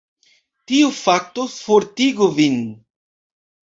Tiu fakto fortigu vin.